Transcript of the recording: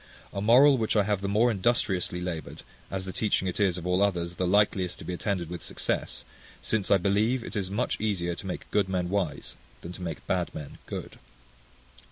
A moral which I have the more industriously laboured, as the teaching it is, of all others, the likeliest to be attended with success; since, I believe, it is much easier to make good men wise, than to make bad men good.